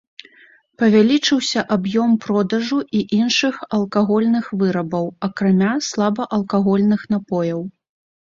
Павялічыўся аб'ём продажу і іншых алкагольных вырабаў, акрамя слабаалкагольных напояў.